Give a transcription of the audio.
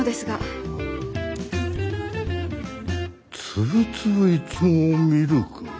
つぶつぶいちごミルク。